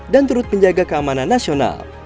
dan turut penjaga keamanan nasional